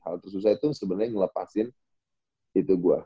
hal tersusah itu sebenarnya ngelepaskan itu gue